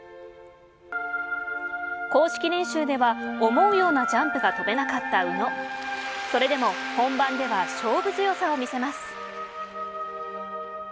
公式練習では思うようなジャンプが跳べなかった宇野それでも本番では勝負強さを見せます。